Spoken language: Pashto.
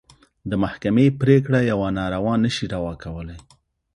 د محکمې پرېکړه يوه ناروا نه شي روا کولی.